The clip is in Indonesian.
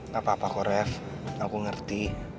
gak apa apa kok ref aku ngerti